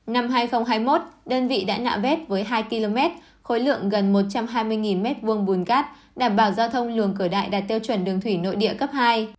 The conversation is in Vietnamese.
năm hai nghìn hai mươi một đơn vị đã nạo vét với hai km khối lượng gần một trăm hai mươi m hai bùn cát đảm bảo giao thông luồng cửa đại đạt tiêu chuẩn đường thủy nội địa cấp hai